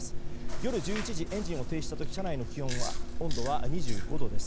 夜１１時、エンジンを停止した時車内の温度は２５度です。